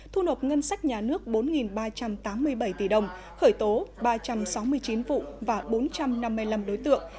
thu nộp ngân sách nhà nước bốn ba trăm tám mươi bảy tỷ đồng khởi tố ba trăm sáu mươi chín vụ và bốn trăm năm mươi năm đối tượng